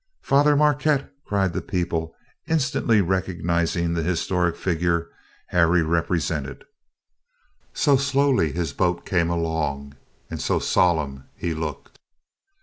"Father Marquette!" cried the people, instantly recognizing the historic figure Harry represented. So slowly his boat came along, and so solemn he looked!